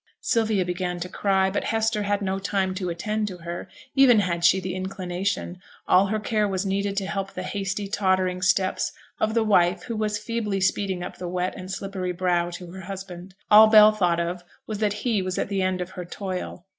Sylvia began to cry, but Hester had no time to attend to her, even had she the inclination: all her care was needed to help the hasty, tottering steps of the wife who was feebly speeding up the wet and slippery brow to her husband. All Bell thought of was that 'he' was at the end of her toil.